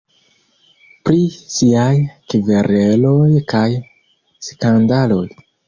Pri siaj kvereloj kaj skandaloj.